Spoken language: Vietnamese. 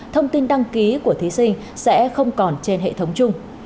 thông tin đăng ký của thí sinh sẽ không còn trên hệ thống chung